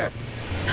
何？